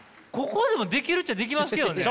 ここでもできるっちゃできますけどね！